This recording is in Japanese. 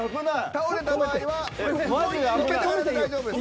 倒れた場合は止めてからで大丈夫です。